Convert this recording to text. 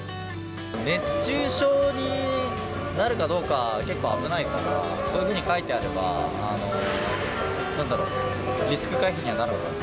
熱中症になるかどうか、結構危ないから、こういうふうに書いてあれば、なんだろう、リスク回避にはなるのかな。